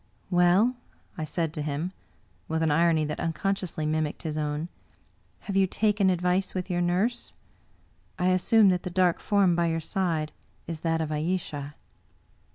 " Well," I said to him, with an irony that unconsciously mimicked his own, " have you taken advice with your nurse ? I assume that the dark form by your side is that of Ayesha!"!